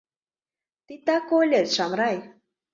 — Титак ойлет, Шамрай.